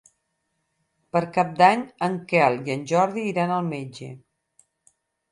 Per Cap d'Any en Quel i en Jordi iran al metge.